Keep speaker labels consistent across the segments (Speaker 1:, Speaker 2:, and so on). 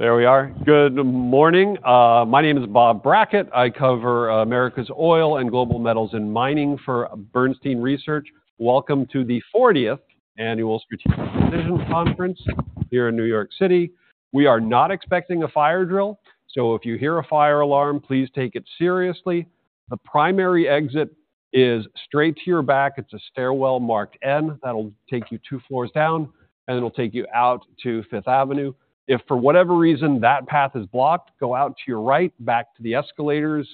Speaker 1: There we are. Good morning, my name is Bob Brackett. I cover Americas oil and global metals and mining for Bernstein Research. Welcome to the 40th Annual Strategic Decisions Conference here in New York City. We are not expecting a fire drill, so if you hear a fire alarm, please take it seriously. The primary exit is straight to your back. It's a stairwell marked N. That'll take you two floors down, and it'll take you out to Fifth Avenue. If for whatever reason, that path is blocked, go out to your right, back to the escalators,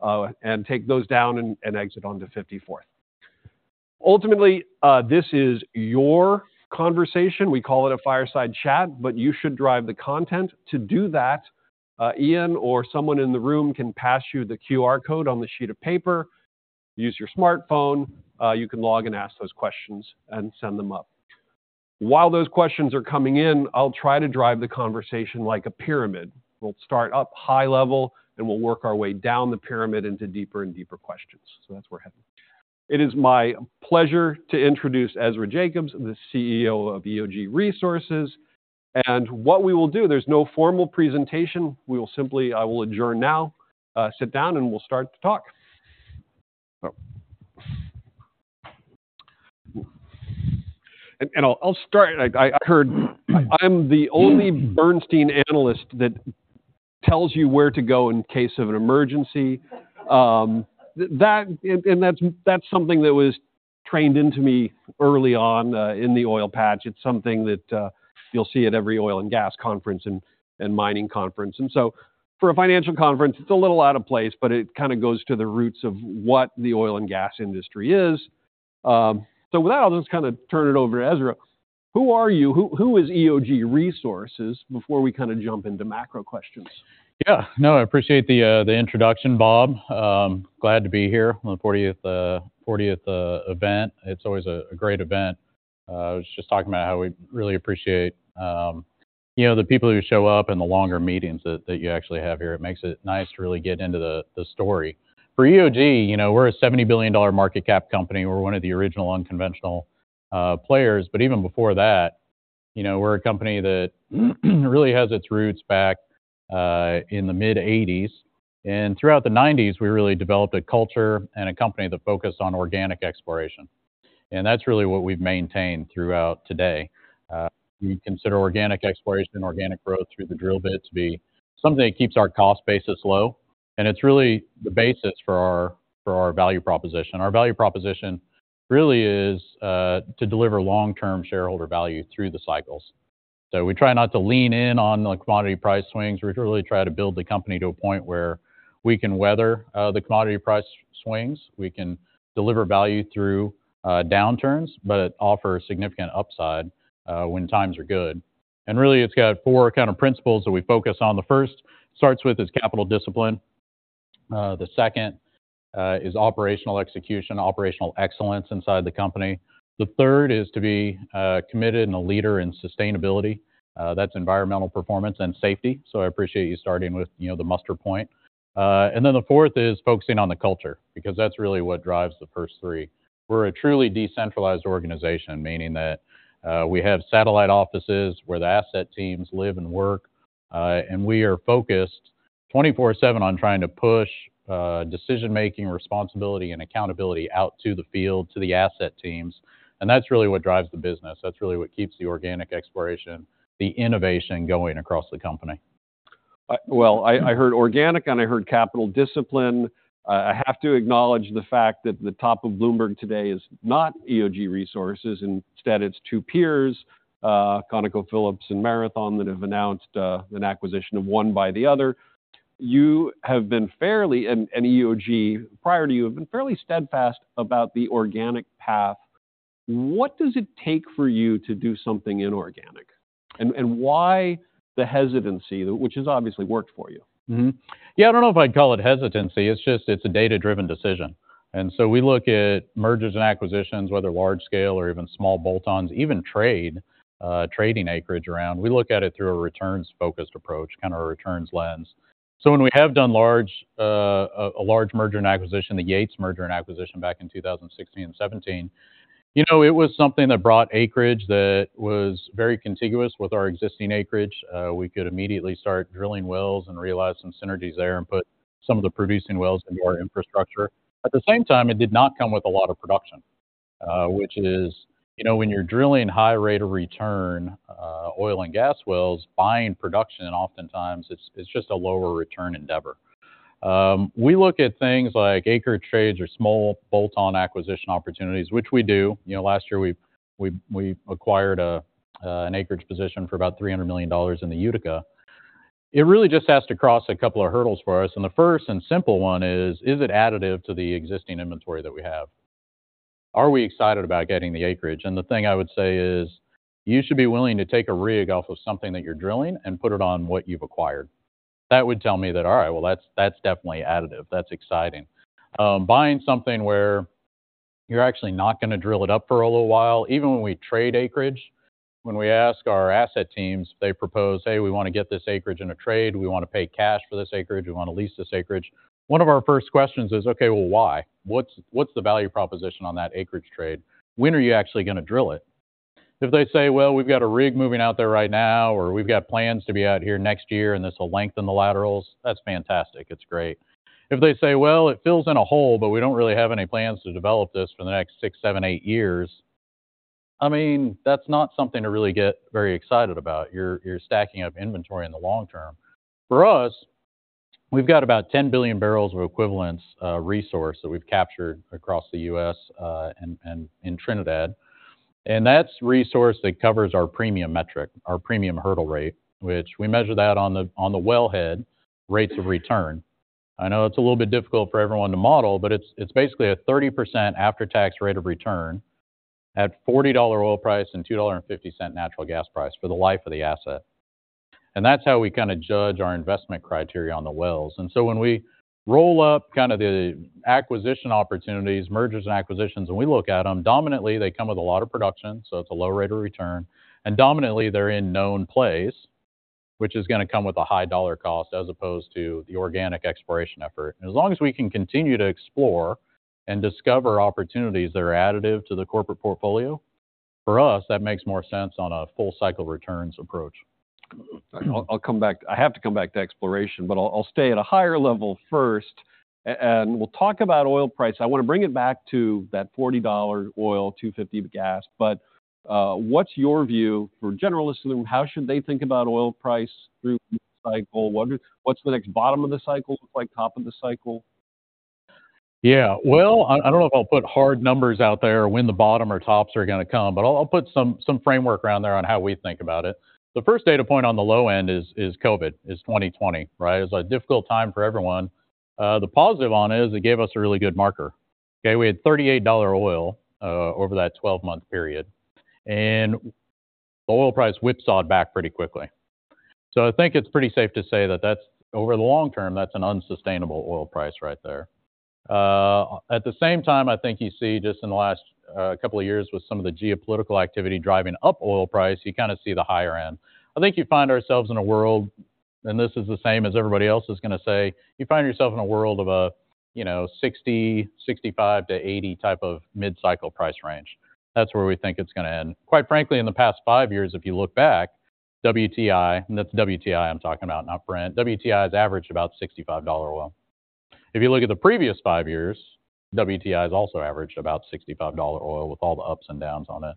Speaker 1: and take those down and exit onto 54th Street. Ultimately, this is your conversation. We call it a fireside chat, but you should drive the content. To do that, Ian or someone in the room can pass you the QR code on the sheet of paper. Use your smartphone. You can log in, ask those questions, and send them up. While those questions are coming in, I'll try to drive the conversation like a pyramid. We'll start up high level, and we'll work our way down the pyramid into deeper and deeper questions. So that's where we're heading. It is my pleasure to introduce Ezra Yacob, the CEO of EOG Resources. And what we will do, there's no formal presentation. We will simply... I will adjourn now, sit down, and we'll start to talk. So, and I'll start. I heard I'm the only Bernstein analyst that tells you where to go in case of an emergency. That... And that's something that was trained into me early on, in the oil patch. It's something that you'll see at every oil and gas conference and mining conference. For a financial conference, it's a little out of place, but it kinda goes to the roots of what the oil and gas industry is. With that, I'll just kind of turn it over to Ezra. Who are you? Who is EOG Resources? Before we kinda jump into macro questions.
Speaker 2: Yeah. No, I appreciate the introduction, Bob. Glad to be here on the 40th event. It's always a great event. I was just talking about how we really appreciate, you know, the people who show up and the longer meetings that you actually have here. It makes it nice to really get into the story. For EOG, you know, we're a $70 billion market cap company. We're one of the original unconventional players, but even before that, you know, we're a company that really has its roots back in the mid-1980s, and throughout the 1990s, we really developed a culture and a company that focused on organic exploration, and that's really what we've maintained throughout today. We consider organic exploration, organic growth through the drill bits, to be something that keeps our cost basis low, and it's really the basis for our value proposition. Our value proposition really is to deliver long-term shareholder value through the cycles. So we try not to lean in on the commodity price swings. We really try to build the company to a point where we can weather the commodity price swings, we can deliver value through downturns, but offer significant upside when times are good. And really, it's got four kind of principles that we focus on. The first starts with this capital discipline. The second is operational execution, operational excellence inside the company. The third is to be committed and a leader in sustainability. That's environmental performance and safety, so I appreciate you starting with, you know, the muster point. And then the fourth is focusing on the culture, because that's really what drives the first three. We're a truly decentralized organization, meaning that, we have satellite offices where the asset teams live and work, and we are focused 24/7 on trying to push, decision-making, responsibility, and accountability out to the field, to the asset teams, and that's really what drives the business. That's really what keeps the organic exploration, the innovation going across the company.
Speaker 1: Well, I heard organic, and I heard capital discipline. I have to acknowledge the fact that the top of Bloomberg today is not EOG Resources. Instead, it's two peers, ConocoPhillips and Marathon, that have announced an acquisition of one by the other. You have been fairly... and EOG, prior to you, have been fairly steadfast about the organic path. What does it take for you to do something inorganic, and why the hesitancy, which has obviously worked for you?
Speaker 2: Mm-hmm. Yeah, I don't know if I'd call it hesitancy. It's just, it's a data-driven decision. And so we look at mergers and acquisitions, whether large scale or even small bolt-ons, even trade, trading acreage around. We look at it through a returns-focused approach, kind of a returns lens. So when we have done large, a large merger and acquisition, the Yates merger and acquisition back in 2016 and 2017, you know, it was something that brought acreage that was very contiguous with our existing acreage. We could immediately start drilling wells and realize some synergies there and put some of the producing wells into our infrastructure. At the same time, it did not come with a lot of production, which is... You know, when you're drilling high rate of return, oil and gas wells, buying production, oftentimes, it's just a lower return endeavor. We look at things like acreage trades or small bolt-on acquisition opportunities, which we do. You know, last year we acquired an acreage position for about $300 million in the Utica. It really just has to cross a couple of hurdles for us, and the first and simple one is: Is it additive to the existing inventory that we have? Are we excited about getting the acreage? And the thing I would say is, you should be willing to take a rig off of something that you're drilling and put it on what you've acquired. That would tell me that, all right, well, that's definitely additive. That's exciting. Buying something where you're actually not gonna drill it up for a little while... Even when we trade acreage, when we ask our asset teams, they propose: "Hey, we wanna get this acreage in a trade. We wanna pay cash for this acreage. We wanna lease this acreage." One of our first questions is: Okay, well, why? What's, what's the value proposition on that acreage trade? When are you actually gonna drill it?... If they say, "Well, we've got a rig moving out there right now," or, "We've got plans to be out here next year, and this will lengthen the laterals," that's fantastic. It's great. If they say, "Well, it fills in a hole, but we don't really have any plans to develop this for the next six, seven, eight years," I mean, that's not something to really get very excited about. You're, you're stacking up inventory in the long term. For us, we've got about 10 billion barrels of equivalents resource that we've captured across the U.S., and, and in Trinidad, and that's resource that covers our Premium metric, our Premium hurdle rate, which we measure that on the, on the wellhead rates of return. I know it's a little bit difficult for everyone to model, but it's, it's basically a 30% after-tax rate of return at $40 oil price and $2.50 natural gas price for the life of the asset. And that's how we kinda judge our investment criteria on the wells. And so when we roll up kinda the acquisition opportunities, mergers, and acquisitions, when we look at them, dominantly they come with a lot of production, so it's a low rate of return. Predominantly, they're in known plays, which is gonna come with a high dollar cost, as opposed to the organic exploration effort. As long as we can continue to explore and discover opportunities that are additive to the corporate portfolio, for us, that makes more sense on a full cycle returns approach.
Speaker 1: I'll, I'll come back—I have to come back to exploration, but I'll, I'll stay at a higher level first, and we'll talk about oil price. I wanna bring it back to that $40 oil, $2.50 of gas. But, what's your view? For a general listener, how should they think about oil price through the cycle? Wonder, what's the next bottom of the cycle look like, top of the cycle?
Speaker 2: Yeah, well, I don't know if I'll put hard numbers out there when the bottom or tops are gonna come, but I'll put some framework around there on how we think about it. The first data point on the low end is COVID, is 2020, right? It was a difficult time for everyone. The positive on it is it gave us a really good marker. Okay, we had $38 oil over that 12-month period, and the oil price whipsawed back pretty quickly. So I think it's pretty safe to say that that's over the long term, that's an unsustainable oil price right there. At the same time, I think you see just in the last couple of years with some of the geopolitical activity driving up oil price, you kinda see the higher end. I think you find ourselves in a world, and this is the same as everybody else is gonna say, you find yourself in a world of a, you know, 60, 65-80 type of mid-cycle price range. That's where we think it's gonna end. Quite frankly, in the past five years, if you look back, WTI, and that's WTI I'm talking about, not Brent, WTI has averaged about $65 oil. If you look at the previous five years, WTI has also averaged about $65 oil, with all the ups and downs on it.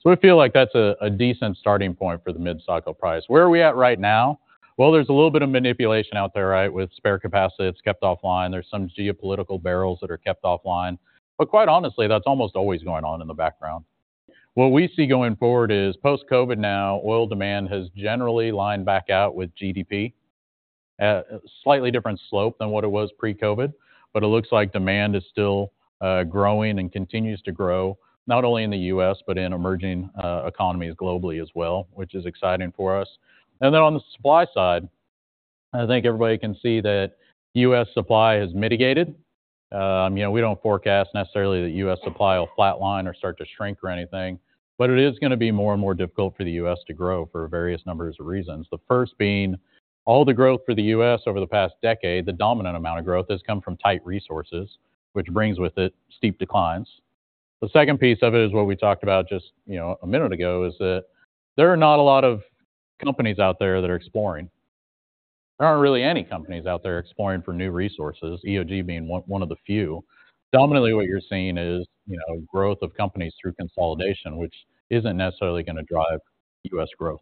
Speaker 2: So we feel like that's a decent starting point for the mid-cycle price. Where are we at right now? Well, there's a little bit of manipulation out there, right, with spare capacity that's kept offline. There's some geopolitical barrels that are kept offline. But quite honestly, that's almost always going on in the background. What we see going forward is post-COVID now, oil demand has generally lined back out with GDP at a slightly different slope than what it was pre-COVID, but it looks like demand is still growing and continues to grow, not only in the U.S., but in emerging economies globally as well, which is exciting for us. And then, on the supply side, I think everybody can see that U.S. supply has mitigated. You know, we don't forecast necessarily that U.S. supply will flatline or start to shrink or anything, but it is gonna be more and more difficult for the U.S. to grow for various numbers of reasons. The first being, all the growth for the U.S. over the past decade, the dominant amount of growth, has come from tight resources, which brings with it steep declines. The second piece of it is what we talked about just, you know, a minute ago, is that there are not a lot of companies out there that are exploring. There aren't really any companies out there exploring for new resources, EOG being one, one of the few. Dominantly, what you're seeing is, you know, growth of companies through consolidation, which isn't necessarily gonna drive U.S. growth.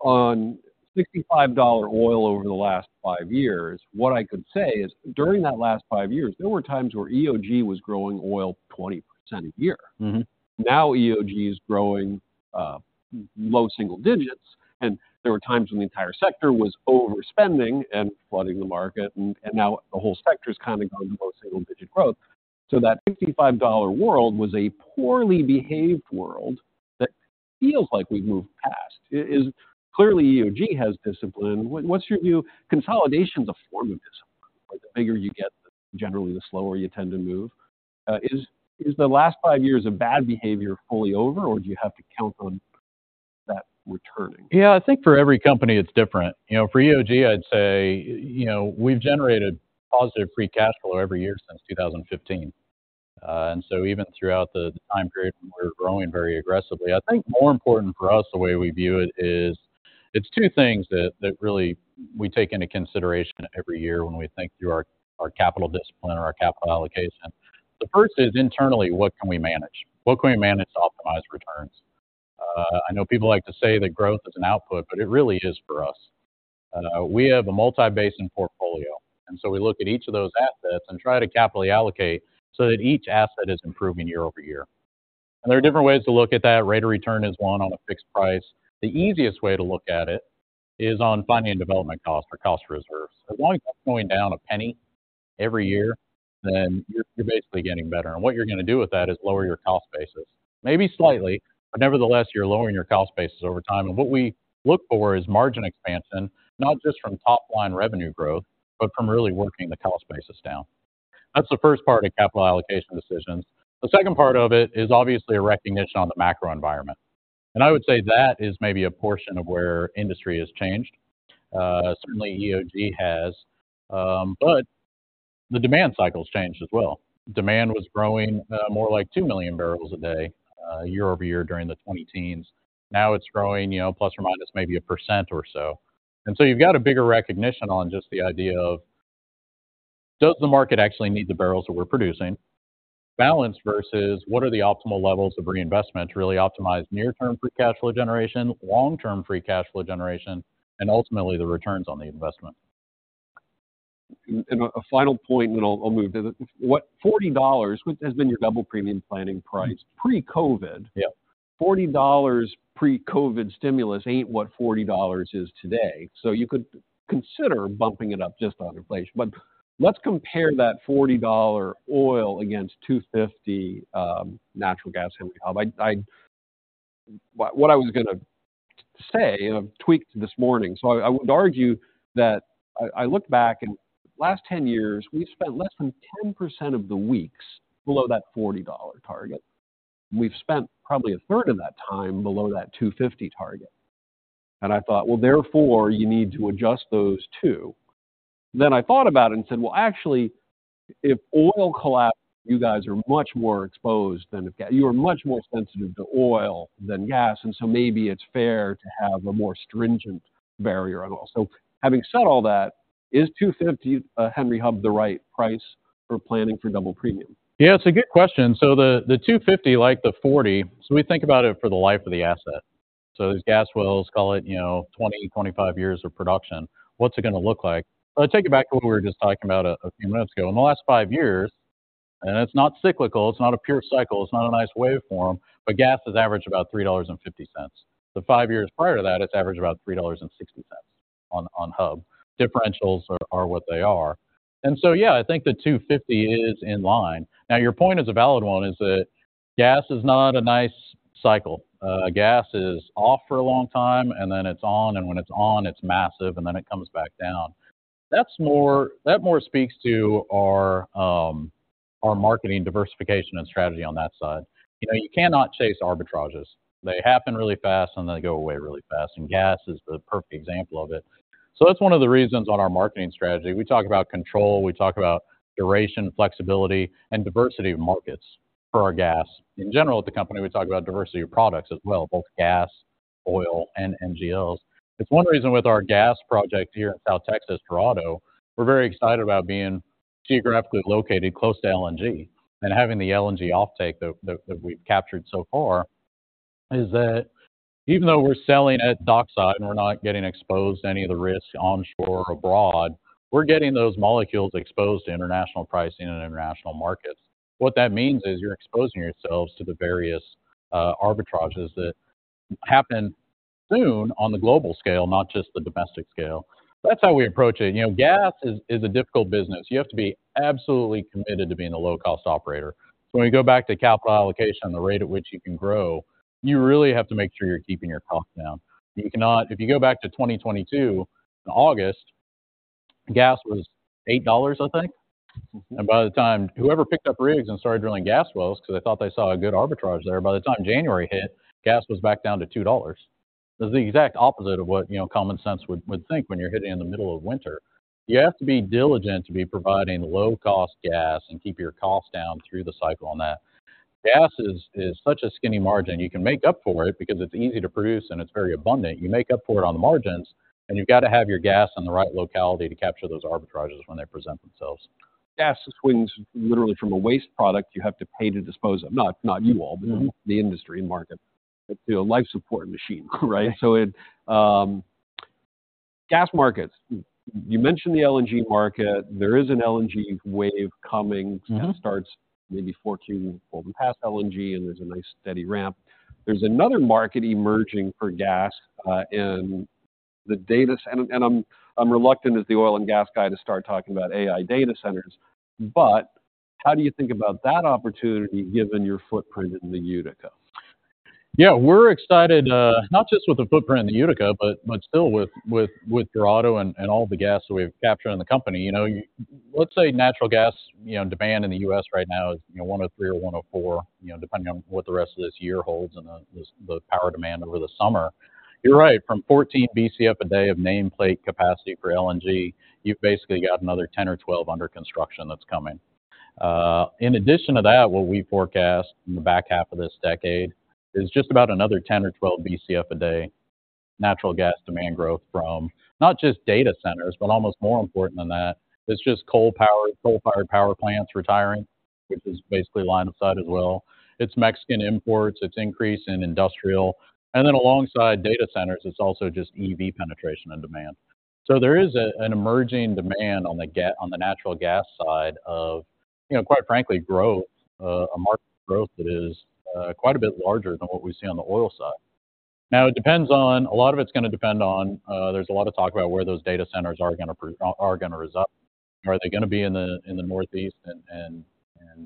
Speaker 1: On $65 oil over the last five years, what I could say is, during that last five years, there were times where EOG was growing oil 20% a year.
Speaker 2: Mm-hmm.
Speaker 1: Now, EOG is growing low single digits, and there were times when the entire sector was overspending and flooding the market, and, and now the whole sector's kinda gone to low single-digit growth. So that $65 world was a poorly behaved world that feels like we've moved past. It is. Clearly, EOG has discipline. What's your view? Consolidation's a form of discipline. The bigger you get, generally, the slower you tend to move. Is the last 5 years of bad behavior fully over, or do you have to count on that returning?
Speaker 2: Yeah, I think for every company it's different. You know, for EOG, I'd say, you know, we've generated positive free cash flow every year since 2015. And so even throughout the time period, we're growing very aggressively. I think more important for us, the way we view it, is it's two things that, that really we take into consideration every year when we think through our, our capital discipline or our capital allocation. The first is internally, what can we manage? What can we manage to optimize returns? I know people like to say that growth is an output, but it really is for us. We have a multi-basin portfolio, and so we look at each of those assets and try to capitally allocate so that each asset is improving year-over-year. And there are different ways to look at that. Rate of return is one on a fixed price. The easiest way to look at it is on finding and development costs or cost of reserves. As long as it's going down a penny every year, then you're basically getting better, and what you're gonna do with that is lower your cost basis. Maybe slightly, but nevertheless, you're lowering your cost basis over time. And what we look for is margin expansion, not just from top-line revenue growth, but from really working the cost basis down. That's the first part of capital allocation decisions. The second part of it is obviously a recognition on the macro environment, and I would say that is maybe a portion of where industry has changed. Certainly, EOG has. The demand cycle has changed as well. Demand was growing, more like 2 million barrels a day, year over year during the twenty-teens. Now it's growing, you know, plus or minus maybe 1% or so. And so you've got a bigger recognition on just the idea of, does the market actually need the barrels that we're producing? Balance versus what are the optimal levels of reinvestment to really optimize near-term free cash flow generation, long-term free cash flow generation, and ultimately, the returns on the investment.
Speaker 1: A final point, and then I'll move to the $40, which has been your Double Premium planning price, pre-COVID.
Speaker 2: Yeah.
Speaker 1: $40 pre-COVID stimulus ain't what $40 is today. So you could consider bumping it up just on inflation. But let's compare that $40 oil against $2.50 natural gas Henry Hub. What I was gonna say, and I've tweaked this morning. So I would argue that I look back, and the last 10 years, we've spent less than 10% of the weeks below that $40 target. We've spent probably a third of that time below that $2.50 target. And I thought, well, therefore, you need to adjust those two. Then I thought about it and said: Well, actually, if oil collapses, you guys are much more exposed than the gas. You are much more sensitive to oil than gas, and so maybe it's fair to have a more stringent barrier at all. So having said all that, is $2.50 Henry Hub the right price for planning for double premium?
Speaker 2: Yeah, it's a good question. So the $2.50, like the $4.00, so we think about it for the life of the asset. So these gas wells, call it, you know, 20-25 years of production, what's it gonna look like? Let's take it back to what we were just talking about a few minutes ago. In the last five years, and it's not cyclical, it's not a pure cycle, it's not a nice waveform, but gas has averaged about $3.50. The five years prior to that, it's averaged about $3.60 on hub. Differentials are what they are. And so, yeah, I think the $2.50 is in line. Now, your point is a valid one, is that gas is not a nice cycle. Gas is off for a long time, and then it's on, and when it's on, it's massive, and then it comes back down. That more speaks to our marketing diversification and strategy on that side. You know, you cannot chase arbitrages. They happen really fast, and they go away really fast, and gas is the perfect example of it. So that's one of the reasons on our marketing strategy, we talk about control, we talk about duration, flexibility, and diversity of markets for our gas. In general, at the company, we talk about diversity of products as well, both gas, oil, and NGLs. It's one reason with our gas project here in South Texas, Dorado, we're very excited about being geographically located close to LNG. Having the LNG offtake that we've captured so far, is that even though we're selling at dockside and we're not getting exposed to any of the risk onshore or abroad, we're getting those molecules exposed to international pricing and international markets. What that means is you're exposing yourselves to the various arbitrages that happen soon on the global scale, not just the domestic scale. That's how we approach it. You know, gas is a difficult business. You have to be absolutely committed to being a low-cost operator. So when you go back to capital allocation, the rate at which you can grow, you really have to make sure you're keeping your costs down. You cannot. If you go back to 2022, in August, gas was $8, I think.
Speaker 1: Mm-hmm.
Speaker 2: By the time whoever picked up rigs and started drilling gas wells because they thought they saw a good arbitrage there, by the time January hit, gas was back down to $2. It was the exact opposite of what, you know, common sense would think when you're hitting in the middle of winter. You have to be diligent to be providing low-cost gas and keep your costs down through the cycle on that. Gas is such a skinny margin. You can make up for it because it's easy to produce and it's very abundant. You make up for it on the margins, and you've got to have your gas in the right locality to capture those arbitrages when they present themselves.
Speaker 1: Gas swings literally from a waste product you have to pay to dispose of. Not you all-
Speaker 2: Mm-hmm
Speaker 1: the industry market, to a life support machine, right? So it, gas markets, you mentioned the LNG market. There is an LNG wave coming.
Speaker 2: Mm-hmm.
Speaker 1: It starts maybe 14, well, past LNG, and there's a nice, steady ramp. There's another market emerging for gas in the data center. And I'm reluctant as the oil and gas guy to start talking about AI data centers, but how do you think about that opportunity given your footprint in the Utica?
Speaker 2: Yeah, we're excited, not just with the footprint in the Utica, but still with Dorado and all the gas that we've captured in the company. You know, let's say natural gas, you know, demand in the U.S. right now is, you know, 103 or 104, you know, depending on what the rest of this year holds and the power demand over the summer. You're right, from 14 BCF a day of nameplate capacity for LNG, you've basically got another 10 or 12 under construction that's coming. In addition to that, what we forecast in the back half of this decade is just about another 10 or 12 BCF a day, natural gas demand growth from not just data centers, but almost more important than that, it's just coal-fired power plants retiring, which is basically line of sight as well. It's Mexican imports, it's increase in industrial, and then alongside data centers, it's also just EV penetration and demand. So there is an emerging demand on the natural gas side of, you know, quite frankly, growth, a market growth that is quite a bit larger than what we see on the oil side. Now, it depends on a lot of it's gonna depend on, there's a lot of talk about where those data centers are gonna reside. Are they gonna be in the Northeast and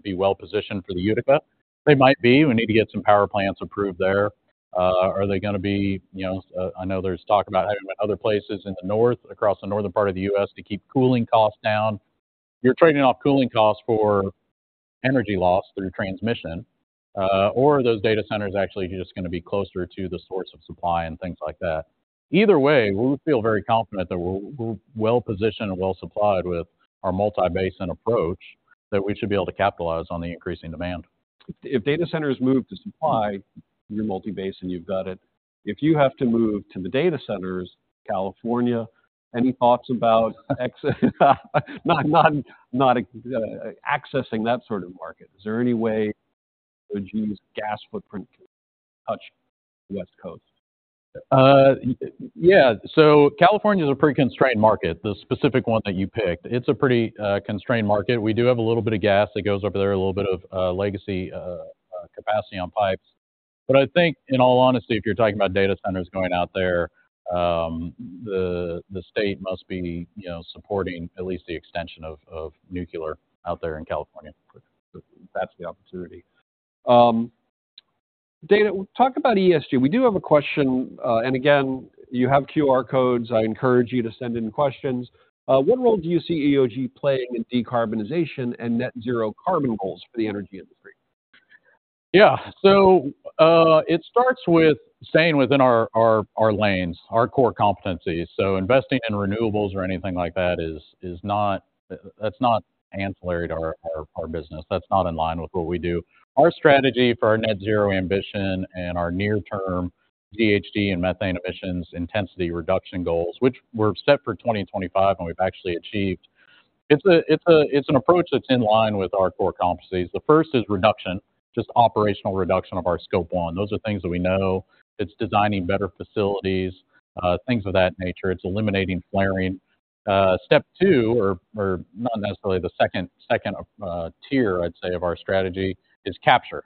Speaker 2: be well-positioned for the Utica? They might be. We need to get some power plants approved there. Are they gonna be, you know... I know there's talk about having other places in the north, across the northern part of the U.S., to keep cooling costs down. You're trading off cooling costs for energy loss through transmission, or those data centers actually are just gonna be closer to the source of supply and things like that. Either way, we feel very confident that we're well-positioned and well supplied with our multi-basin approach, that we should be able to capitalize on the increasing demand.
Speaker 1: If data centers move to supply, you're multi-basin, you've got it. If you have to move to the data centers, California, any thoughts about exit? Not accessing that sort of market. Is there any way EOG's gas footprint can touch the West Coast?
Speaker 2: Yeah. So California's a pretty constrained market. The specific one that you picked, it's a pretty constrained market. We do have a little bit of gas that goes over there, a little bit of legacy capacity on pipes. But I think, in all honesty, if you're talking about data centers going out there, the state must be, you know, supporting at least the extension of nuclear out there in California. That's the opportunity.
Speaker 1: Dana, talk about ESG. We do have a question, and again, you have QR codes. I encourage you to send in questions. What role do you see EOG playing in decarbonization and net zero carbon goals for the energy industry?
Speaker 2: Yeah. So, it starts with staying within our lanes, our core competencies. So investing in renewables or anything like that is not-- that's not ancillary to our business. That's not in line with what we do. Our strategy for our net zero ambition and our near-term GHG and methane emissions intensity reduction goals, which were set for 2025, and we've actually achieved. It's an approach that's in line with our core competencies. The first is reduction, just operational reduction of our Scope 1. Those are things that we know. It's designing better facilities, things of that nature. It's eliminating flaring. Step two, or not necessarily the second tier, I'd say, of our strategy is capture.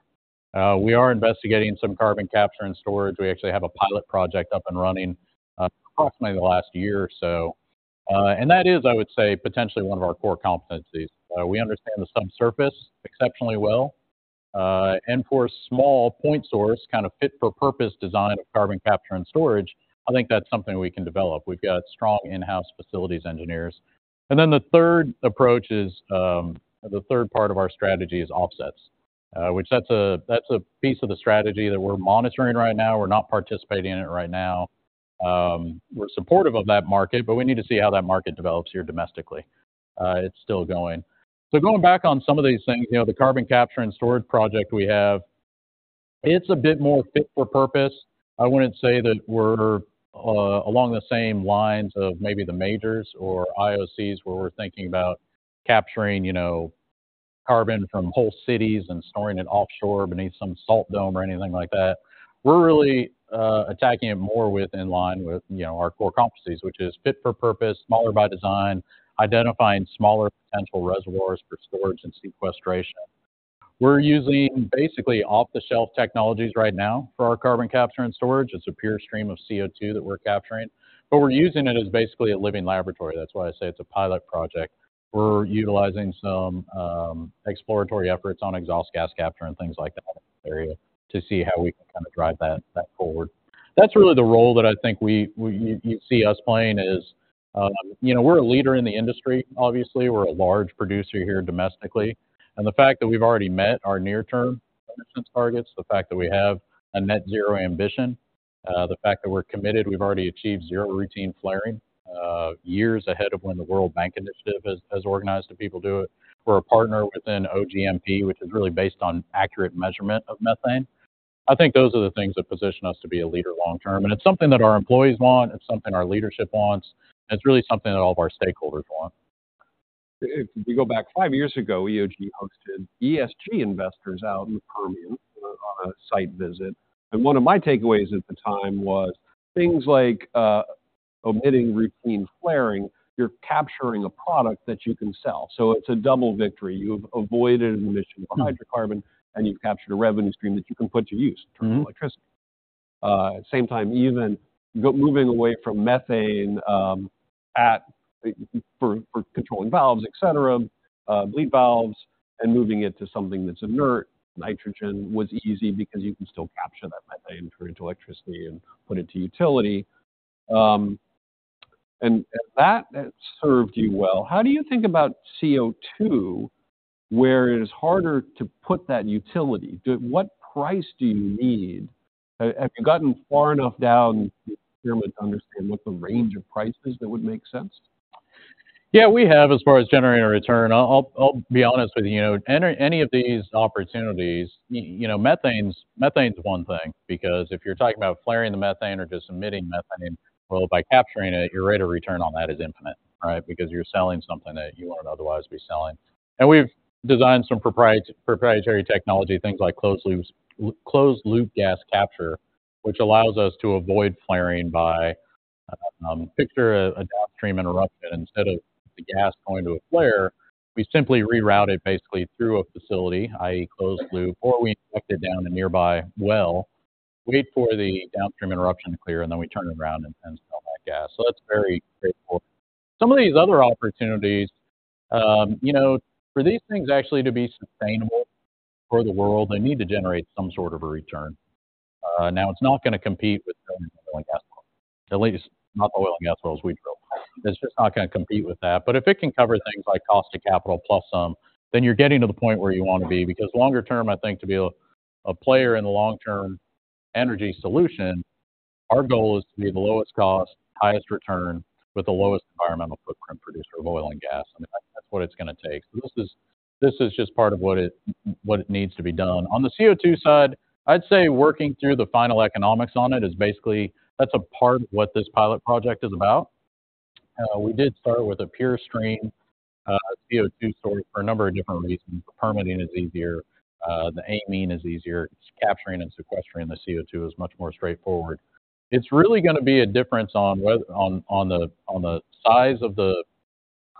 Speaker 2: We are investigating some carbon capture and storage. We actually have a pilot project up and running, approximately the last year or so. That is, I would say, potentially one of our core competencies. We understand the subsurface exceptionally well. For a small point source, kind of fit-for-purpose design of carbon capture and storage, I think that's something we can develop. We've got strong in-house facilities engineers. Then the third approach is, the third part of our strategy is offsets. Which that's a, that's a piece of the strategy that we're monitoring right now. We're not participating in it right now. We're supportive of that market, but we need to see how that market develops here domestically. It's still going. So going back on some of these things, you know, the carbon capture and storage project we have, it's a bit more fit for purpose. I wouldn't say that we're along the same lines of maybe the majors or IOCs, where we're thinking about capturing, you know, carbon from whole cities and storing it offshore beneath some salt dome or anything like that. We're really attacking it more with in line with, you know, our core competencies, which is fit for purpose, smaller by design, identifying smaller potential reservoirs for storage and sequestration. We're using basically off-the-shelf technologies right now for our carbon capture and storage. It's a pure stream of CO2 that we're capturing, but we're using it as basically a living laboratory. That's why I say it's a pilot project. We're utilizing some exploratory efforts on exhaust gas capture and things like that area to see how we can kinda drive that forward. That's really the role that I think you see us playing is, you know, we're a leader in the industry. Obviously, we're a large producer here domestically, and the fact that we've already met our near-term emissions targets, the fact that we have a net zero ambition, the fact that we're committed, we've already achieved zero routine flaring, years ahead of when the World Bank Initiative has organized the people to do it. We're a partner within OGMP, which is really based on accurate measurement of methane. I think those are the things that position us to be a leader long term, and it's something that our employees want, it's something our leadership wants, and it's really something that all of our stakeholders want.
Speaker 1: If we go back five years ago, EOG hosted ESG investors out in the Permian on a site visit, and one of my takeaways at the time was things like, omitting routine flaring, you're capturing a product that you can sell. So it's a double victory. You've avoided an emission of hydrocarbon, and you've captured a revenue stream that you can put to use-
Speaker 2: Mm-hmm
Speaker 1: to turn on electricity. At the same time, moving away from methane, for controlling valves, et cetera, bleed valves, and moving it to something that's inert. Nitrogen was easy because you can still capture that methane, turn it to electricity, and put it to utility. And that has served you well. How do you think about CO2, where it is harder to put that utility? What price do you need? Have you gotten far enough down here to understand what the range of prices that would make sense?
Speaker 2: Yeah, we have, as far as generating a return. I'll be honest with you, you know, any of these opportunities, you know, methane's one thing, because if you're talking about flaring the methane or just emitting methane, well, by capturing it, your rate of return on that is infinite, right? Because you're selling something that you wouldn't otherwise be selling. And we've designed some proprietary technology, things like Closed-Loop Gas Capture, which allows us to avoid flaring by, picture a downstream interruption. Instead of the gas going to a flare, we simply reroute it basically through a facility, i.e., closed loop, or we inject it down a nearby well, wait for the downstream interruption to clear, and then we turn it around and sell that gas. So that's very grateful. Some of these other opportunities, you know, for these things actually to be sustainable for the world, they need to generate some sort of a return. Now, it's not gonna compete with at least not the oil and gas wells we drill. It's just not gonna compete with that. But if it can cover things like cost of capital plus some, then you're getting to the point where you wanna be, because longer term, I think to be a, a player in the long-term energy solution, our goal is to be the lowest cost, highest return, with the lowest environmental footprint producer of oil and gas. I mean, that, that's what it's gonna take. So this is, this is just part of what it, what needs to be done. On the CO2 side, I'd say working through the final economics on it is basically, that's a part of what this pilot project is about. We did start with a pure stream, CO2 source for a number of different reasons. The permitting is easier, the amine is easier, capturing and sequestering the CO2 is much more straightforward. It's really gonna be a difference on whether- on, on the, on the size of the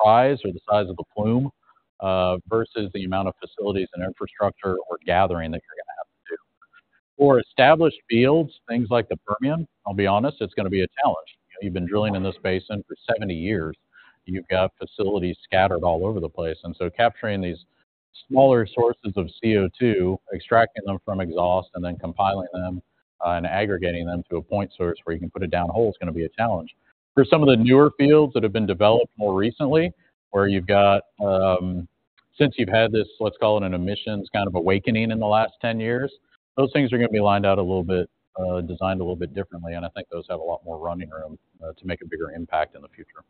Speaker 2: size or the size of the plume, versus the amount of facilities and infrastructure or gathering that you're gonna have to do. For established fields, things like the Permian, I'll be honest, it's gonna be a challenge. You've been drilling in this basin for 70 years. You've got facilities scattered all over the place, and so capturing these smaller sources of CO2, extracting them from exhaust, and then compiling them, and aggregating them to a point source where you can put it down a hole is gonna be a challenge. For some of the newer fields that have been developed more recently, where you've got. Since you've had this, let's call it an emissions kind of awakening in the last 10 years, those things are gonna be lined out a little bit, designed a little bit differently, and I think those have a lot more running room, to make a bigger impact in the future.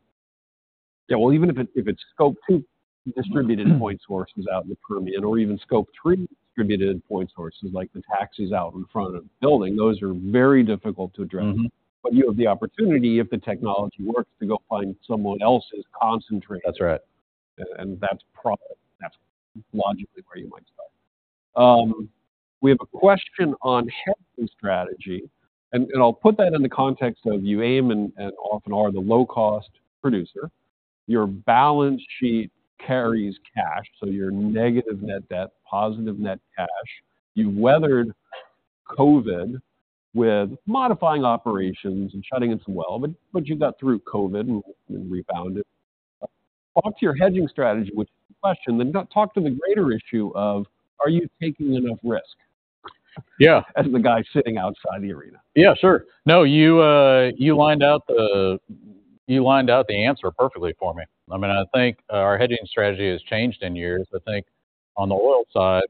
Speaker 1: Yeah, well, even if it, if it's Scope 2 distributed point sources out in the Permian, or even Scope 3 distributed point sources, like the taxis out in front of the building, those are very difficult to address.
Speaker 2: Mm-hmm.
Speaker 1: But you have the opportunity, if the technology works, to go find someone else's concentrate.
Speaker 2: That's right.
Speaker 1: And that's probably, that's logically where you might start. We have a question on hedging strategy, and I'll put that in the context of you aim and often are the low-cost producer. Your balance sheet carries cash, so you're negative net debt, positive net cash. You weathered COVID with modifying operations and shutting in some well, but you got through COVID and rebounded. Talk to your hedging strategy, which is the question, then talk to the greater issue of: Are you taking enough risk?
Speaker 2: Yeah.
Speaker 1: As the guy sitting outside the arena.
Speaker 2: Yeah, sure. No, you lined out the answer perfectly for me. I mean, I think, our hedging strategy has changed in years. I think on the oil side,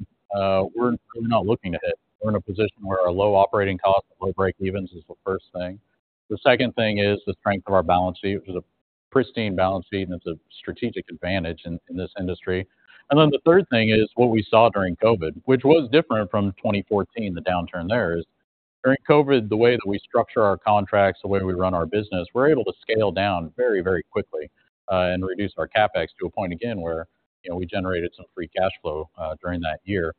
Speaker 2: we're not looking to hit. We're in a position where our low operating costs and low breakevens is the first thing. The second thing is the strength of our balance sheet, which is a pristine balance sheet, and it's a strategic advantage in this industry. And then the third thing is what we saw during COVID, which was different from 2014, the downturn there is during COVID, the way that we structure our contracts, the way we run our business, we're able to scale down very, very quickly, and reduce our CapEx to a point, again, where, you know, we generated some free cash flow during that year.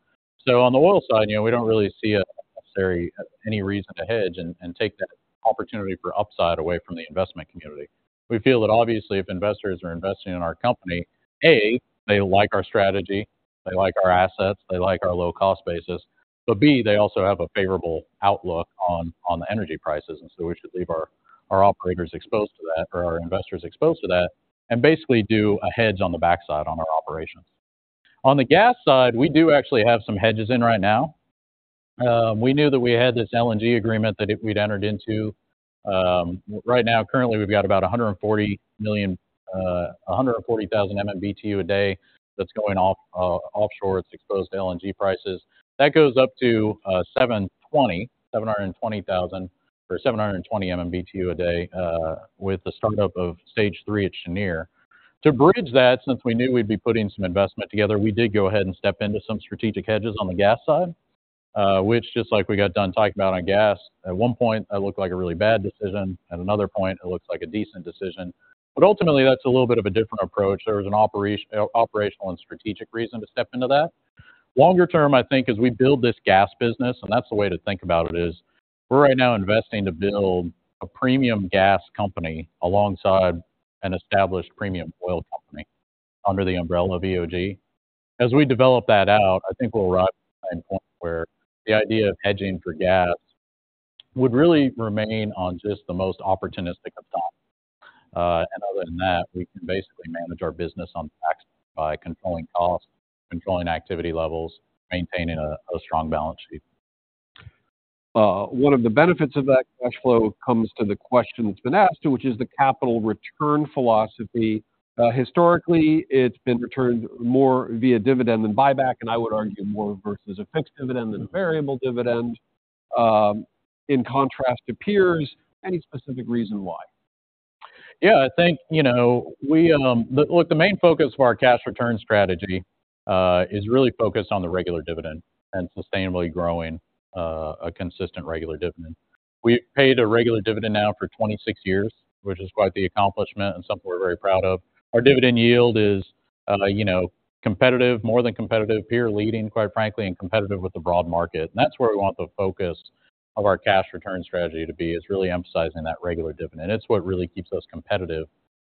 Speaker 2: So on the oil side, you know, we don't really see a necessary, any reason to hedge and take that opportunity for upside away from the investment community. We feel that obviously, if investors are investing in our company, A, they like our strategy, they like our assets, they like our low-cost basis, but B, they also have a favorable outlook on the energy prices, and so we should leave our operators exposed to that, or our investors exposed to that, and basically do a hedge on the backside on our operations. On the gas side, we do actually have some hedges in right now. We knew that we had this LNG agreement that we'd entered into. Right now, currently, we've got about 140,000 MMBtu a day that's going off, offshore. It's exposed to LNG prices. That goes up to 720,000 or 720 MMBtu a day with the startup of Stage 3 at Cheniere. To bridge that, since we knew we'd be putting some investment together, we did go ahead and step into some strategic hedges on the gas side, which, just like we got done talking about on gas, at one point, it looked like a really bad decision, at another point, it looks like a decent decision. But ultimately, that's a little bit of a different approach. There was an operational and strategic reason to step into that. Longer term, I think as we build this gas business, and that's the way to think about it, is we're right now investing to build a premium gas company alongside an established premium oil company under the umbrella of EOG. As we develop that out, I think we'll arrive at a point where the idea of hedging for gas would really remain on just the most opportunistic of thoughts. And other than that, we can basically manage our business on track by controlling costs, controlling activity levels, maintaining a strong balance sheet.
Speaker 1: One of the benefits of that cash flow comes to the question that's been asked, which is the capital return philosophy. Historically, it's been returned more via dividend than buyback, and I would argue more versus a fixed dividend than a variable dividend, in contrast to peers. Any specific reason why?
Speaker 2: Yeah, I think, you know, we look, the main focus of our cash return strategy is really focused on the regular dividend and sustainably growing a consistent, regular dividend. We paid a regular dividend now for 26 years, which is quite the accomplishment and something we're very proud of. Our dividend yield is, you know, competitive, more than competitive, peer-leading, quite frankly, and competitive with the broad market. And that's where we want the focus of our cash return strategy to be, is really emphasizing that regular dividend. It's what really keeps us competitive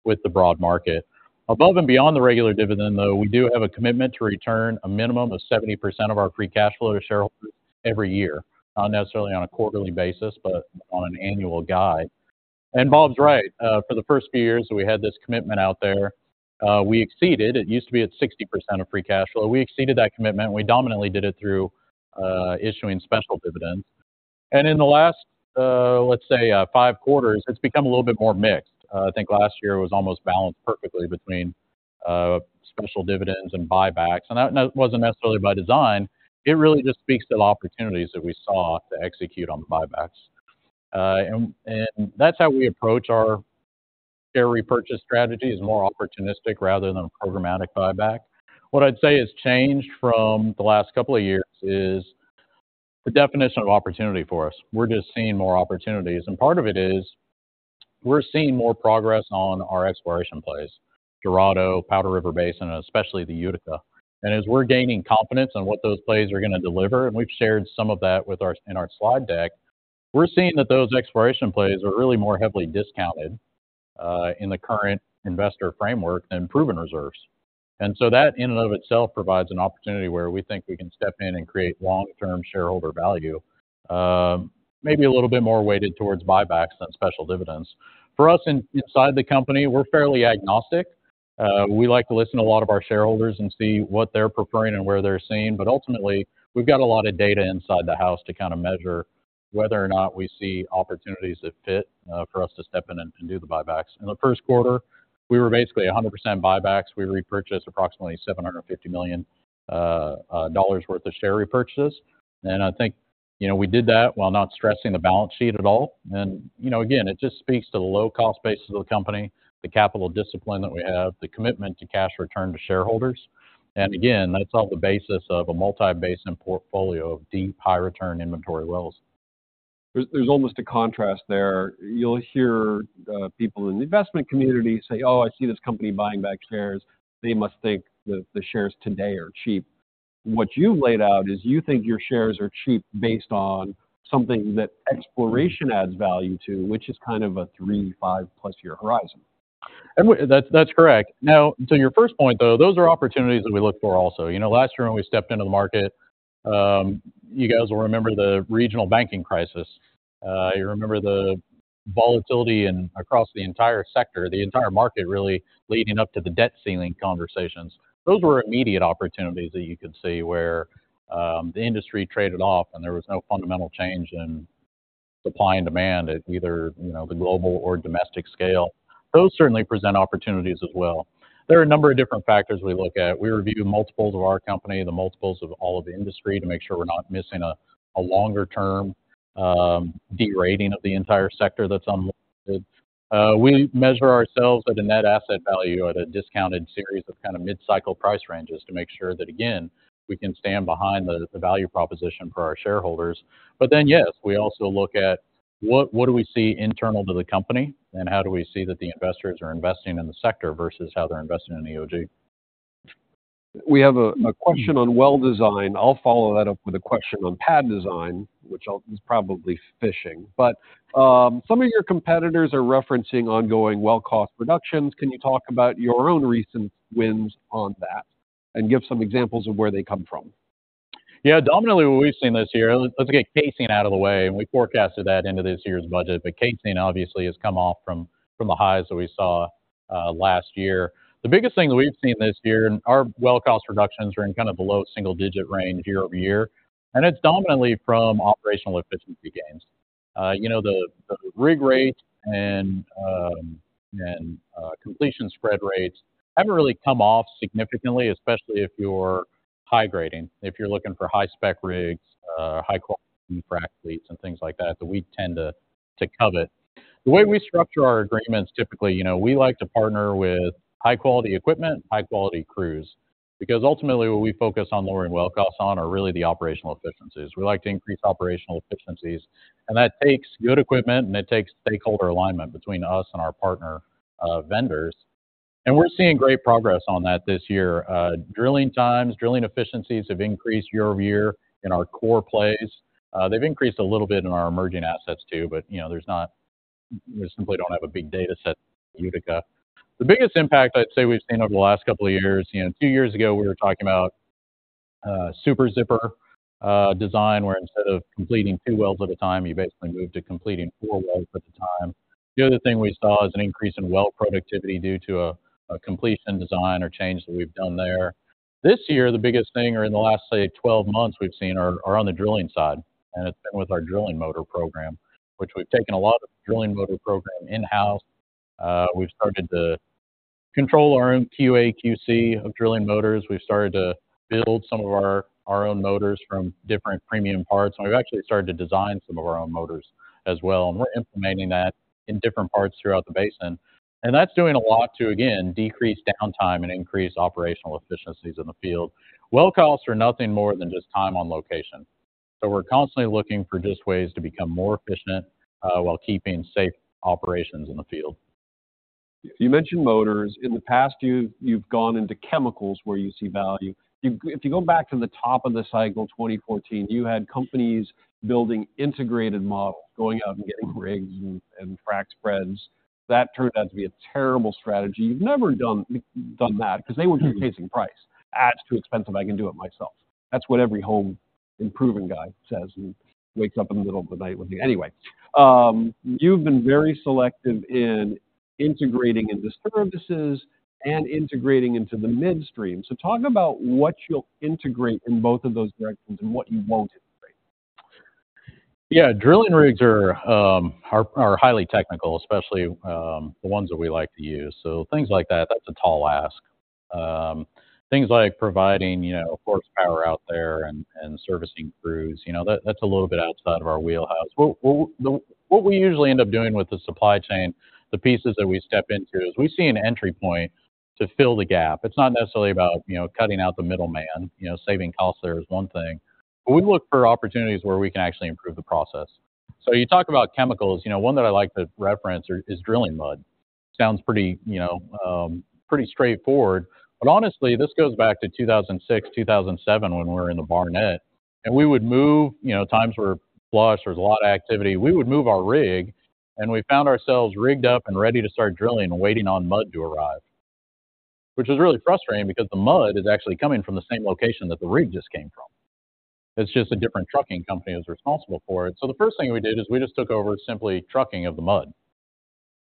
Speaker 2: with the broad market. Above and beyond the regular dividend, though, we do have a commitment to return a minimum of 70% of our free cash flow to shareholders every year, not necessarily on a quarterly basis, but on an annual guide. Bob's right, for the first few years that we had this commitment out there, we exceeded. It used to be at 60% of free cash flow. We exceeded that commitment. We dominantly did it through issuing special dividends. And in the last, let's say, five quarters, it's become a little bit more mixed. I think last year was almost balanced perfectly between special dividends and buybacks, and that, that wasn't necessarily by design. It really just speaks to the opportunities that we saw to execute on the buybacks. And that's how we approach our share repurchase strategy, is more opportunistic rather than a programmatic buyback. What I'd say has changed from the last couple of years is the definition of opportunity for us. We're just seeing more opportunities, and part of it is we're seeing more progress on our exploration plays, Dorado, Powder River Basin, and especially the Utica. And as we're gaining confidence on what those plays are gonna deliver, and we've shared some of that with our in our slide deck, we're seeing that those exploration plays are really more heavily discounted in the current investor framework than proven reserves. And so that, in and of itself, provides an opportunity where we think we can step in and create long-term shareholder value, maybe a little bit more weighted towards buybacks than special dividends. For us inside the company, we're fairly agnostic. We like to listen to a lot of our shareholders and see what they're preferring and where they're seeing. But ultimately, we've got a lot of data inside the house to kind of measure whether or not we see opportunities that fit, for us to step in and, and do the buybacks. In the first quarter, we were basically 100% buybacks. We repurchased approximately $750 million worth of share repurchases. And I think, you know, we did that while not stressing the balance sheet at all. And, you know, again, it just speaks to the low-cost basis of the company, the capital discipline that we have, the commitment to cash return to shareholders. And again, that's on the basis of a multi-basin portfolio of deep, high-return inventory wells.
Speaker 1: There's almost a contrast there. You'll hear people in the investment community say, "Oh, I see this company buying back shares. They must think that the shares today are cheap." What you've laid out is you think your shares are cheap based on something that exploration adds value to, which is kind of a 3, 5+-year horizon.
Speaker 2: That's, that's correct. Now, to your first point, though, those are opportunities that we look for also. You know, last year when we stepped into the market, you guys will remember the regional banking crisis. You remember the volatility across the entire sector, the entire market, really, leading up to the debt ceiling conversations. Those were immediate opportunities that you could see where, the industry traded off, and there was no fundamental change in supply and demand at either, you know, the global or domestic scale. Those certainly present opportunities as well. There are a number of different factors we look at. We review multiples of our company, the multiples of all of the industry, to make sure we're not missing a longer-term, de-rating of the entire sector that's on. We measure ourselves at a net asset value at a discounted series of kind of mid-cycle price ranges to make sure that, again, we can stand behind the value proposition for our shareholders. But then, yes, we also look at what do we see internal to the company, and how do we see that the investors are investing in the sector versus how they're investing in EOG?
Speaker 1: We have a question on well design. I'll follow that up with a question on pad design, which is probably fishing. But some of your competitors are referencing ongoing well cost reductions. Can you talk about your own recent wins on that and give some examples of where they come from?
Speaker 2: Yeah, dominantly, what we've seen this year... Let's get casing out of the way, and we forecasted that into this year's budget, but casing obviously has come off from the highs that we saw last year. The biggest thing that we've seen this year, and our well cost reductions are in kind of below single-digit range year-over-year, and it's dominantly from operational efficiency gains. You know, the rig rates and completion spread rates haven't really come off significantly, especially if you're high grading, if you're looking for high-spec rigs, high-quality frac fleets, and things like that, that we tend to covet. The way we structure our agreements, typically, you know, we like to partner with high-quality equipment, high-quality crews, because ultimately, what we focus on lowering well costs on are really the operational efficiencies. We like to increase operational efficiencies, and that takes good equipment, and it takes stakeholder alignment between us and our partner, vendors. And we're seeing great progress on that this year. Drilling times, drilling efficiencies have increased year-over-year in our core plays. They've increased a little bit in our emerging assets, too, but, you know, there's not. We simply don't have a big data set, Utica. The biggest impact I'd say we've seen over the last couple of years, you know, a few years ago, we were talking about Super Zipper design, where instead of completing two wells at a time, you basically moved to completing four wells at a time. The other thing we saw is an increase in well productivity due to a completion design or change that we've done there. This year, the biggest thing, or in the last, say, 12 months, we've seen are on the drilling side, and it's been with our drilling motor program, which we've taken a lot of the drilling motor program in-house. We've started to control our own QA/QC of drilling motors. We've started to build some of our own motors from different premium parts, and we've actually started to design some of our own motors as well, and we're implementing that in different parts throughout the basin. That's doing a lot to, again, decrease downtime and increase operational efficiencies in the field. Well costs are nothing more than just time on location, so we're constantly looking for just ways to become more efficient while keeping safe operations in the field.
Speaker 1: You mentioned motors. In the past, you've gone into chemicals where you see value. If you go back to the top of the cycle, 2014, you had companies building integrated models, going out and getting rigs and frac spreads. That turned out to be a terrible strategy. You've never done that because they were just chasing price. "Ah, it's too expensive. I can do it myself." That's what every home-improvement guy says and wakes up in the middle of the night with you. Anyway, you've been very selective in integrating into services and integrating into the midstream. So talk about what you'll integrate in both of those directions and what you won't integrate.
Speaker 2: Yeah, drilling rigs are highly technical, especially the ones that we like to use. So things like that, that's a tall ask. Things like providing, you know, horsepower out there and servicing crews, you know, that's a little bit outside of our wheelhouse. What we usually end up doing with the supply chain, the pieces that we step into, is we see an entry point to fill the gap. It's not necessarily about, you know, cutting out the middleman. You know, saving costs there is one thing, but we look for opportunities where we can actually improve the process. So you talk about chemicals, you know, one that I like to reference is drilling mud. Sounds pretty, you know, pretty straightforward, but honestly, this goes back to 2006, 2007, when we were in the Barnett, and we would move... You know, times were flush, there was a lot of activity. We would move our rig, and we found ourselves rigged up and ready to start drilling and waiting on mud to arrive. Which is really frustrating because the mud is actually coming from the same location that the rig just came from. It's just a different trucking company is responsible for it. So the first thing we did is we just took over simply trucking of the mud.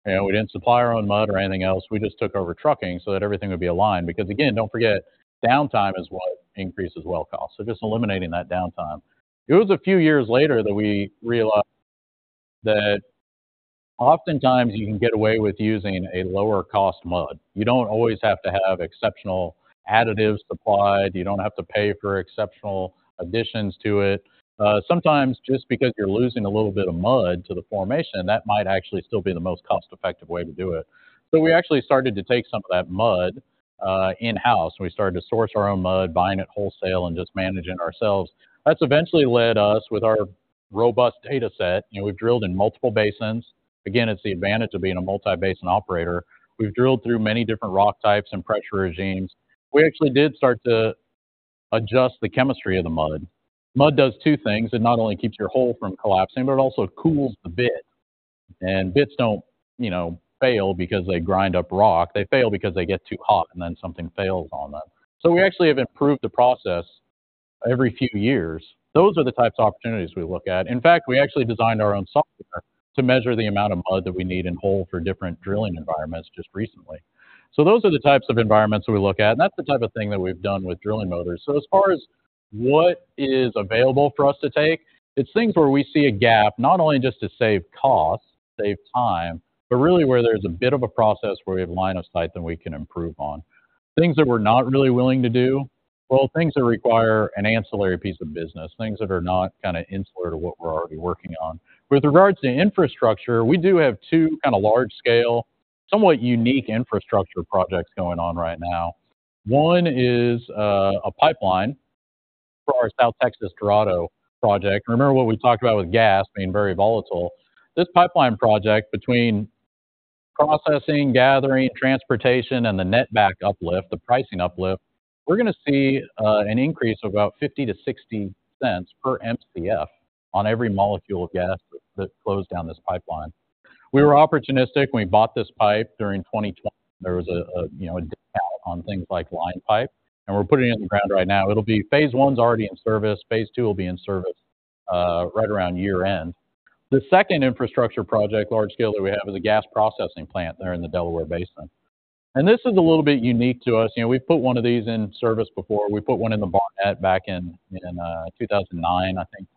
Speaker 2: You know, we didn't supply our own mud or anything else. We just took over trucking so that everything would be aligned. Because, again, don't forget, downtime is what increases well costs, so just eliminating that downtime. It was a few years later that we realized that oftentimes you can get away with using a lower-cost mud. You don't always have to have exceptional additives supplied. You don't have to pay for exceptional additions to it. Sometimes just because you're losing a little bit of mud to the formation, that might actually still be the most cost-effective way to do it. So we actually started to take some of that mud in-house, and we started to source our own mud, buying it wholesale and just managing it ourselves. That's eventually led us with our robust data set, you know, we've drilled in multiple basins. Again, it's the advantage of being a multi-basin operator. We've drilled through many different rock types and pressure regimes. We actually did start to adjust the chemistry of the mud. Mud does two things: It not only keeps your hole from collapsing, but it also cools the bit. And bits don't, you know, fail because they grind up rock, they fail because they get too hot and then something fails on them. So we actually have improved the process every few years. Those are the types of opportunities we look at. In fact, we actually designed our own software to measure the amount of mud that we need in hole for different drilling environments just recently. So those are the types of environments we look at, and that's the type of thing that we've done with drilling motors. So as far as what is available for us to take, it's things where we see a gap, not only just to save cost, save time, but really where there's a bit of a process where we have line of sight that we can improve on. Things that we're not really willing to do, well, things that require an ancillary piece of business, things that are not kind of insular to what we're already working on. With regards to infrastructure, we do have two kind of large-scale, somewhat unique infrastructure projects going on right now. One is a pipeline for our South Texas Dorado project. Remember what we talked about with gas being very volatile. This pipeline project, between processing, gathering, transportation, and the netback uplift, the pricing uplift, we're gonna see an increase of about $0.50-$0.60 per Mcf on every molecule of gas that flows down this pipeline. We were opportunistic when we bought this pipe during 2020. There was a, you know, a discount on things like line pipe, and we're putting it in the ground right now. It'll be phase one's already in service. Phase two will be in service right around year-end. The second infrastructure project, large scale, that we have is a gas processing plant there in the Delaware Basin. This is a little bit unique to us. You know, we've put one of these in service before. We put one in the Barnett back in 2009, I think,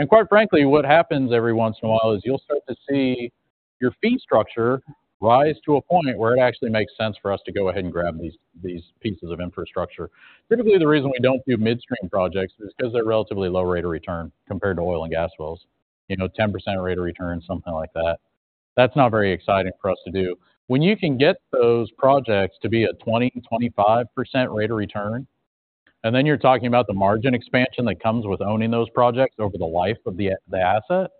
Speaker 2: timeframe. Quite frankly, what happens every once in a while is you'll start to see your fee structure rise to a point where it actually makes sense for us to go ahead and grab these, these pieces of infrastructure. Typically, the reason we don't do midstream projects is 'cause they're relatively low rate of return compared to oil and gas wells. You know, 10% rate of return, something like that. That's not very exciting for us to do. When you can get those projects to be a 20%-25% rate of return, and then you're talking about the margin expansion that comes with owning those projects over the life of the asset,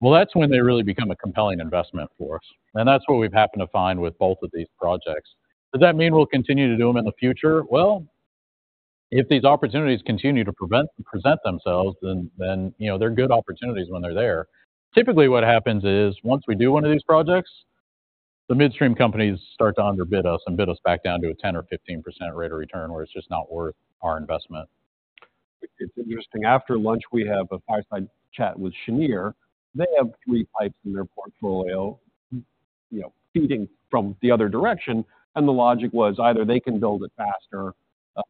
Speaker 2: well, that's when they really become a compelling investment for us, and that's what we've happened to find with both of these projects. Does that mean we'll continue to do them in the future? Well, if these opportunities continue to present themselves, then you know, they're good opportunities when they're there. Typically, what happens is, once we do one of these projects, the midstream companies start to underbid us and bid us back down to a 10% or 15% rate of return, where it's just not worth our investment.
Speaker 1: It's interesting. After lunch, we have a fireside chat with Cheniere. They have three pipes in their portfolio, you know, feeding from the other direction, and the logic was either they can build it faster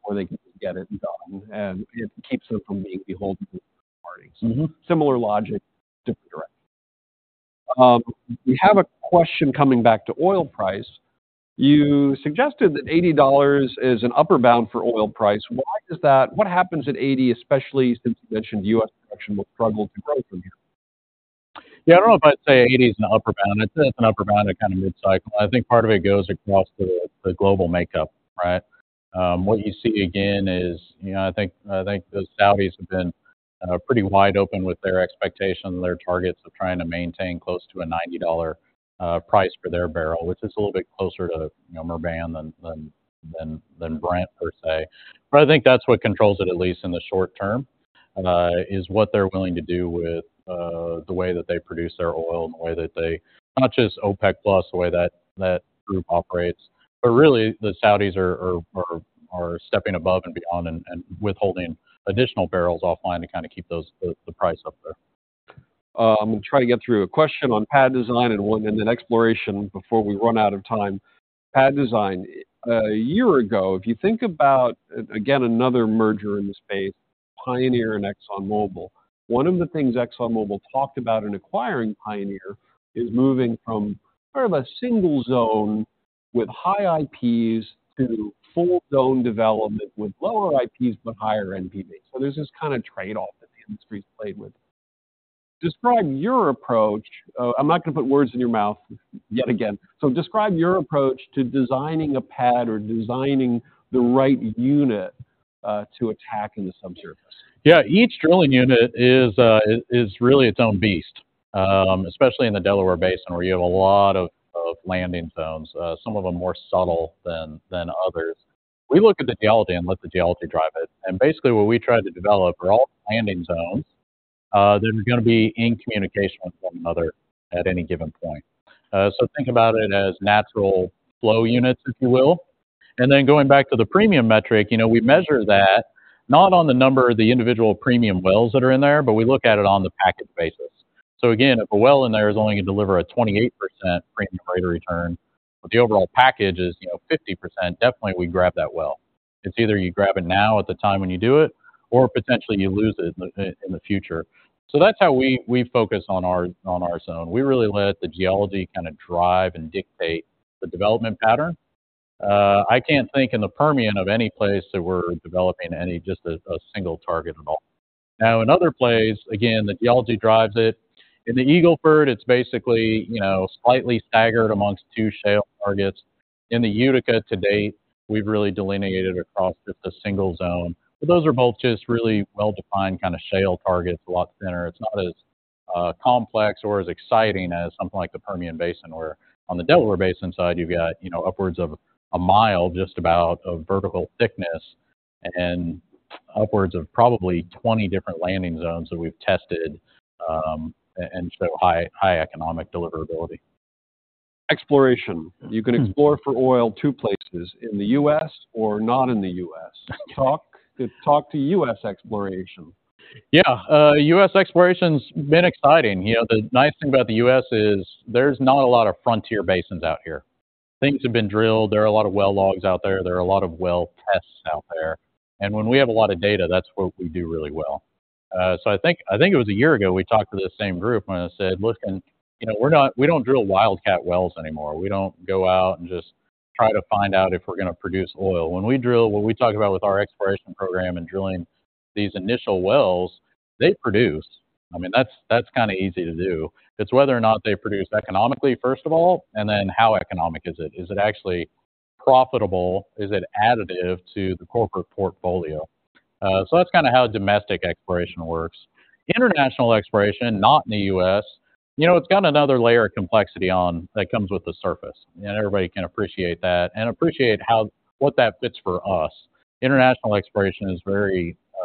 Speaker 1: or they can get it done, and it keeps them from being beholden to other parties.
Speaker 2: Mm-hmm.
Speaker 1: Similar logic, different direction. We have a question coming back to oil price. You suggested that $80 is an upper bound for oil price. Why is that? What happens at $80, especially since you mentioned U.S. production will struggle to grow from here?
Speaker 2: Yeah, I don't know if I'd say 80 is an upper bound. I'd say it's an upper bound at kind of mid-cycle. I think part of it goes across the global makeup, right? What you see again is, you know, I think the Saudis have been pretty wide open with their expectation, their targets of trying to maintain close to a $90 price for their barrel, which is a little bit closer to, you know, Murban than Brent, per se. But I think that's what controls it, at least in the short term, is what they're willing to do with the way that they produce their oil and the way that they... Not just OPEC Plus, the way that that group operates, but really, the Saudis are stepping above and beyond and withholding additional barrels offline to kind of keep the price up there.
Speaker 1: I'm gonna try to get through a question on pad design and one, and then exploration before we run out of time. Pad design. A year ago, if you think about, again, another merger in the space, Pioneer and ExxonMobil, one of the things ExxonMobil talked about in acquiring Pioneer is moving from more of a single zone with high IPs to full zone development with lower IPs, but higher NPV. So there's this kind of trade-off that the industry's played with. Describe your approach... I'm not gonna put words in your mouth, yet again, so describe your approach to designing a pad or designing the right unit, to attack in the subsurface.
Speaker 2: Yeah, each drilling unit is really its own beast. Especially in the Delaware Basin, where you have a lot of landing zones, some of them more subtle than others. We look at the geology and let the geology drive it, and basically, what we try to develop are all landing zones that are gonna be in communication with one another at any given point. So think about it as natural flow units, if you will. And then, going back to the premium metric, you know, we measure that not on the number of the individual premium wells that are in there, but we look at it on the package basis. So again, if a well in there is only gonna deliver a 28% premium rate of return, but the overall package is, you know, 50%, definitely we grab that well. It's either you grab it now at the time when you do it, or potentially you lose it in the future. So that's how we focus on our zone. We really let the geology kinda drive and dictate the development pattern. I can't think in the Permian of any place that we're developing any just a single target at all. Now, in other plays, again, the geology drives it. In the Eagle Ford, it's basically, you know, slightly staggered amongst two shale targets. In the Utica, to date, we've really delineated across just a single zone, but those are both just really well-defined kinda shale targets, a lot thinner. It's not as complex or as exciting as something like the Permian Basin, where on the Delaware Basin side, you've got, you know, upwards of a mile, just about, of vertical thickness and upwards of probably 20 different landing zones that we've tested, and so high, high economic deliverability.
Speaker 1: Exploration.
Speaker 2: Hmm.
Speaker 1: You can explore for oil two places: in the U.S. or not in the U.S. Talk to U.S. exploration.
Speaker 2: Yeah, U.S. exploration's been exciting. You know, the nice thing about the U.S. is there's not a lot of frontier basins out here. Things have been drilled. There are a lot of well logs out there. There are a lot of well tests out there, and when we have a lot of data, that's what we do really well. So I think, I think it was a year ago, we talked to this same group, and I said, "Listen, you know, we're not, we don't drill wildcat wells anymore. We don't go out and just try to find out if we're gonna produce oil." When we drill, what we talk about with our exploration program and drilling these initial wells, they produce. I mean, that's, that's kinda easy to do. It's whether or not they produce economically, first of all, and then how economic is it? Is it actually profitable? Is it additive to the corporate portfolio? So that's kinda how domestic exploration works. International exploration, not in the U.S., you know, it's got another layer of complexity on... that comes with the surface, and everybody can appreciate that and appreciate how- what that fits for us. International exploration is very, you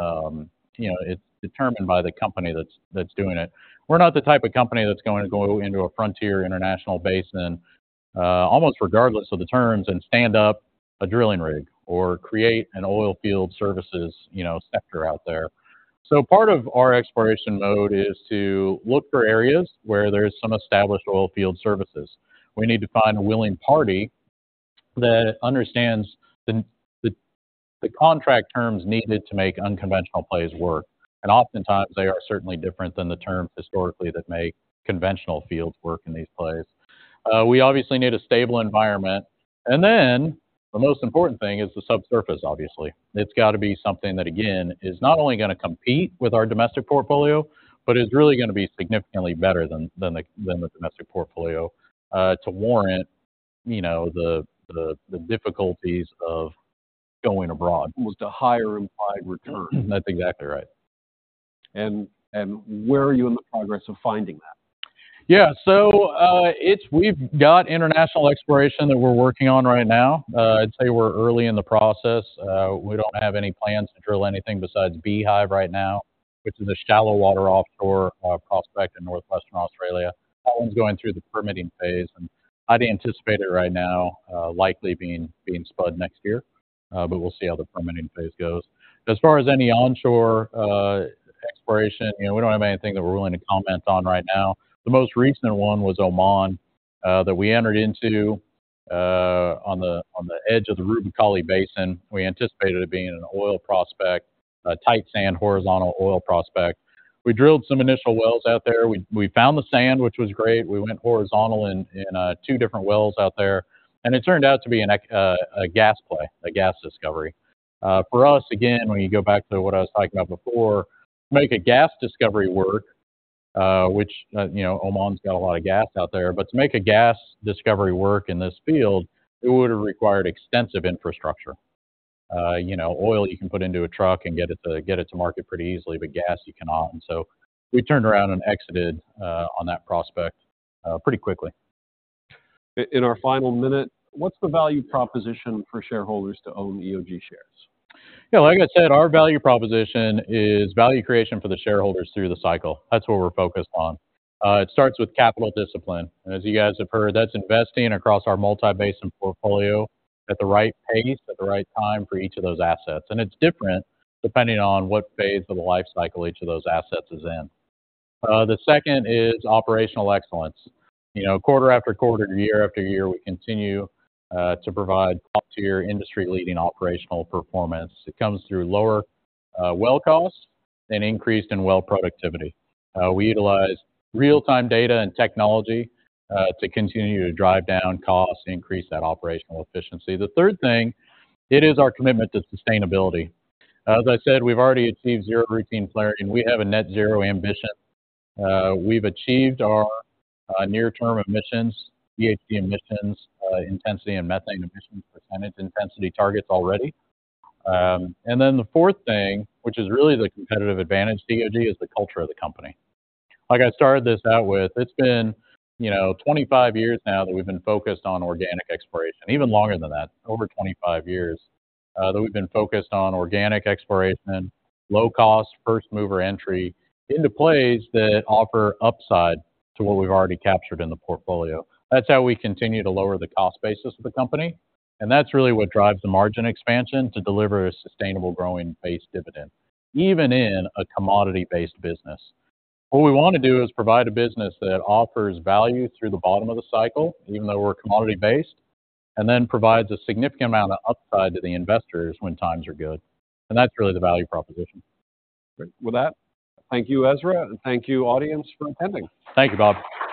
Speaker 2: know... it's determined by the company that's, that's doing it. We're not the type of company that's going to go into a frontier international basin, almost regardless of the terms, and stand up a drilling rig or create an oil field services, you know, sector out there. So part of our exploration mode is to look for areas where there's some established oil field services. We need to find a willing party that understands the contract terms needed to make unconventional plays work, and oftentimes, they are certainly different than the terms historically that make conventional fields work in these plays. We obviously need a stable environment, and then, the most important thing is the subsurface, obviously. It's got to be something that, again, is not only gonna compete with our domestic portfolio, but is really gonna be significantly better than the domestic portfolio, you know, the difficulties of going abroad.
Speaker 1: With a higher implied return.
Speaker 2: That's exactly right.
Speaker 1: Where are you in the progress of finding that?
Speaker 2: Yeah, so, we've got international exploration that we're working on right now. I'd say we're early in the process. We don't have any plans to drill anything besides Beehive right now, which is a shallow water offshore prospect in northwestern Australia. That one's going through the permitting phase, and I'd anticipate it right now, likely being spud next year, but we'll see how the permitting phase goes. As far as any onshore exploration, you know, we don't have anything that we're willing to comment on right now. The most recent one was Oman, that we entered into, on the edge of the Rub' al Khali Basin. We anticipated it being an oil prospect, a tight sand, horizontal oil prospect. We drilled some initial wells out there. We found the sand, which was great. We went horizontal in two different wells out there, and it turned out to be a gas play, a gas discovery. For us, again, when you go back to what I was talking about before, to make a gas discovery work, which, you know, Oman's got a lot of gas out there, but to make a gas discovery work in this field, it would've required extensive infrastructure. You know, oil you can put into a truck and get it to, get it to market pretty easily, but gas you cannot. And so we turned around and exited on that prospect pretty quickly.
Speaker 1: In our final minute, what's the value proposition for shareholders to own EOG shares?
Speaker 2: Yeah, like I said, our value proposition is value creation for the shareholders through the cycle. That's what we're focused on. It starts with capital discipline, and as you guys have heard, that's investing across our multi-basin portfolio at the right pace, at the right time for each of those assets, and it's different depending on what phase of the life cycle each of those assets is in. The second is operational excellence. You know, quarter after quarter, year after year, we continue to provide top-tier, industry-leading operational performance. It comes through lower well costs and increase in well productivity. We utilize real-time data and technology to continue to drive down costs and increase that operational efficiency. The third thing, it is our commitment to sustainability. As I said, we've already achieved zero routine flaring, and we have a net zero ambition. We've achieved our near-term emissions, GHG emissions intensity and methane emissions percentage intensity targets already. And then the fourth thing, which is really the competitive advantage to EOG, is the culture of the company. Like I started this out with, it's been, you know, 25 years now that we've been focused on organic exploration. Even longer than that, over 25 years that we've been focused on organic exploration, low cost, first-mover entry into plays that offer upside to what we've already captured in the portfolio. That's how we continue to lower the cost basis of the company, and that's really what drives the margin expansion to deliver a sustainable, growing base dividend, even in a commodity-based business. What we want to do is provide a business that offers value through the bottom of the cycle, even though we're commodity-based, and then provides a significant amount of upside to the investors when times are good, and that's really the value proposition.
Speaker 1: Great. With that, thank you, Ezra, and thank you, audience, for attending.
Speaker 2: Thank you, Bob.